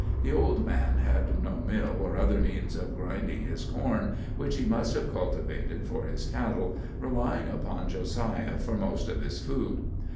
The old man had no mill or other means of grinding his corn, which he must have cultivated for his cattle, relying upon Josiah for most of his food.